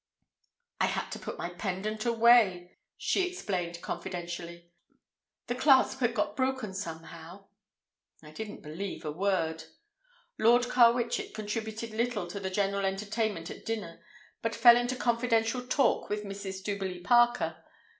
"I had to put my pendant away," she explained confidentially; "the clasp had got broken somehow." I didn't believe a word. Lord Carwitchet contributed little to the general entertainment at dinner, but fell into confidential talk with Mrs. Duberly Parker.